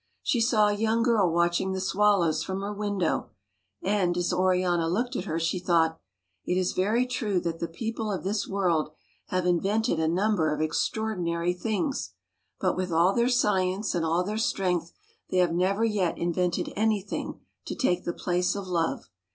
She saw a young girl watching the swallows from her window ; and, as Oriana looked at her, she thought, " It is very true that the people of this world have invented a number of extraordi nary things, but with all their science and all their strength they have never yet invented anything to take the place of love.